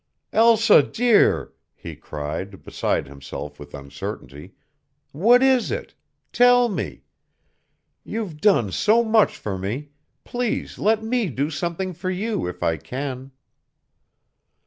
"Elsa, dear," he cried, beside himself with uncertainty, "what is it? Tell me. You've done so much for me, please let me do something for you if I can."